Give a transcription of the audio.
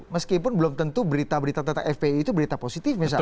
meskipun belum tentu berita berita tentang fpi itu berita positif misalnya